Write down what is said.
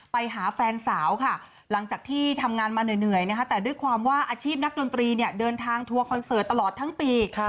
ไปหาแฟนสาวค่ะหลังจากที่ทำงานมาเหนื่อยนะคะแต่ด้วยความว่าอาชีพนักดนตรีเนี่ยเดินทางทัวร์คอนเสิร์ตตลอดทั้งปี